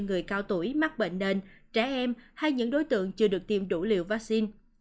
những người cao tuổi mắc bệnh nên trẻ em hay những đối tượng chưa được tiêm đủ liều vaccine